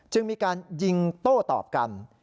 จึงมีการยิงโต้ตอบกัน